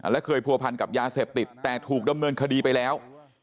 และเคยผัวพันกับยาเสพติดแต่ถูกดำเนินคดีไปแล้ว